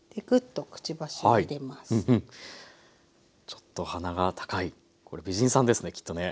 ちょっと鼻が高いこれ美人さんですねきっとね。